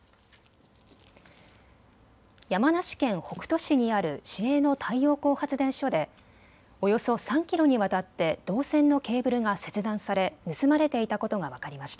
山梨県北杜市にある市営の太陽光発電所でおよそ３キロにわたって銅線のケーブルが切断され盗まれていたことが分かりました。